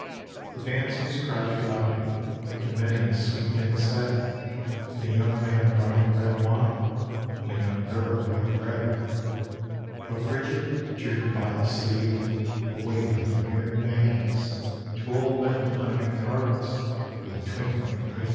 The dancers crowded about him, And many a sweet thing said, And a young man brou^t him red wine, And a young girl white bread. But Bridget drew him by the siceye, Away from the merry bands. To old men playing at cards With a twinkling of andcnt bands.